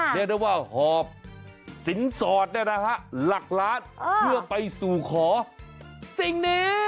เรียกได้ว่าหอบสินสอดเนี่ยนะฮะหลักล้านเพื่อไปสู่ขอสิ่งนี้